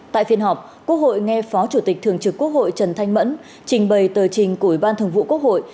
tại phiên họp quốc hội nghe phó chủ tịch thường trực quốc hội trần thanh mẫn trình bày tờ trình của ủy ban thường vụ quốc hội